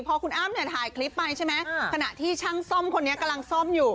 พอคุณอ้ำเนี่ยถ่ายคลิปไปใช่ไหมขณะที่ช่างซ่อมคนนี้กำลังซ่อมอยู่